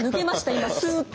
今スッと。